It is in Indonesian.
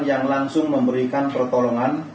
yang langsung memberikan pertolongan